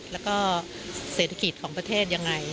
แล้วก็เศรษฐกิจของประเทศยังไง